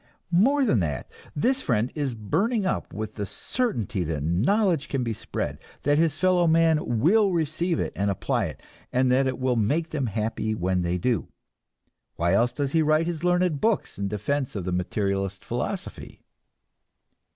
More than that, this friend is burning up with the certainty that knowledge can be spread, that his fellow men will receive it and apply it, and that it will make them happy when they do. Why else does he write his learned books in defense of the materialist philosophy?